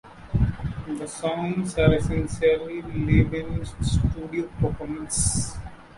The songs are essentially "live in studio" performances.